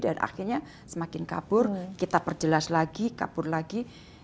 dan akhirnya semakin kabur kita perjelas lagi kabur lagi